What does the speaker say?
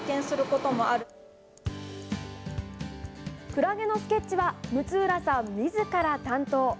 クラゲのスケッチは六浦さんみずから担当。